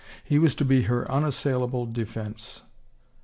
He was to be her unassaila ble defense.